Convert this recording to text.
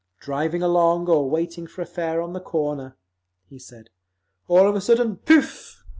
"Driving along, or waiting for a fare on the corner," he said, "all of a sudden _pooff!